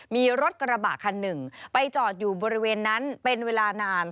มีรถกระบะคันหนึ่งไปจอดอยู่บริเวณนั้นเป็นเวลานาน